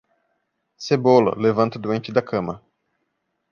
Cebola levanta o doente da cama.